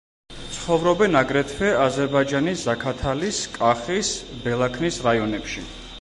ცხოვრობენ აგრეთვე აზერბაიჯანის ზაქათალის, კახის, ბელაქნის რაიონებში.